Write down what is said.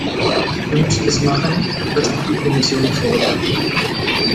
Wir müssen das machen, was auch die Kommission fordert.